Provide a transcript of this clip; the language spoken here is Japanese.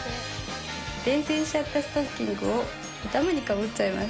伝線しちゃったストッキングを頭にかぶっちゃいます。